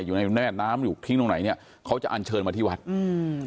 อยู่ในแม่น้ำอยู่ทิ้งตรงไหนเนี้ยเขาจะอันเชิญมาที่วัดอืม